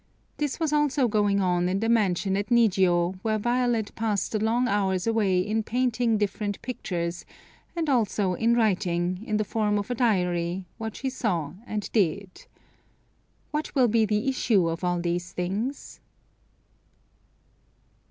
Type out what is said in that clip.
This was also going on in the mansion at Nijio, where Violet passed the long hours away in painting different pictures, and also in writing, in the form of a diary, what she saw and did. What will be the issue of all these things?